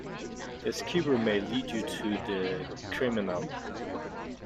The skewer may lead you to the criminal.